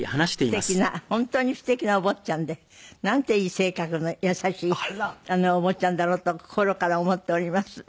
素敵な本当に素敵なお坊ちゃんでなんていい性格の優しいお坊ちゃんだろうと心から思っております。